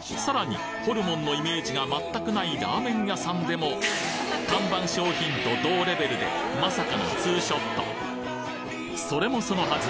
さらにホルモンのイメージが全くないラーメン屋さんでも看板商品と同レベルでまさかのそれもそのはず